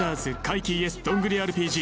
ＹｅｓどんぐりＲＰＧ